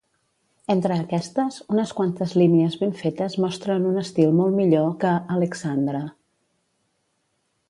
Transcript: Entre aquestes, unes quantes línies ben fetes mostren un estil molt millor que "Alexandra".